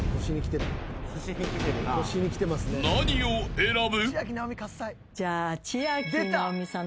［何を選ぶ？］